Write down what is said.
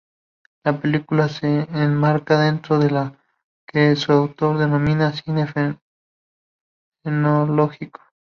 La película se enmarca dentro de lo que su autor denomina Cine Fenomenológico.